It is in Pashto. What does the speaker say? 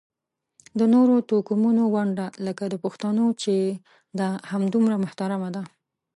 د نورو توکمونو ونډه لکه د پښتنو چې ده همدومره محترمه ده.